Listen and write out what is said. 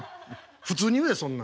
普通に言えそんなん。